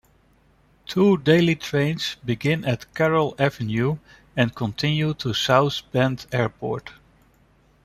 Two daily trains begin at Carroll Avenue and continue to South Bend Airport.